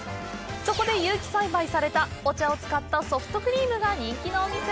そこで有機栽培されたお茶を使ったソフトクリームが人気のお店。